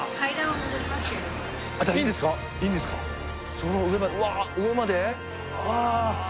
その上までうわ上まで？